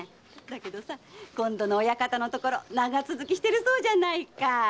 だけど今度の親方のところは長続きしてるそうじゃないか。